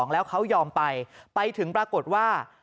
แล้วเขายอมไปไปถึงปรากฏว่า